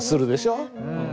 うん。